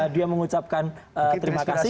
dia mengucapkan terima kasih